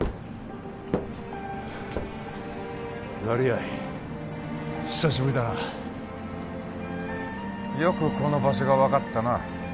成合久しぶりだなよくこの場所が分かったな